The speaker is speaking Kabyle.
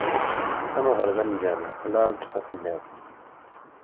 Am uɣerda n lǧameɛ: laẓ, asemmiḍ.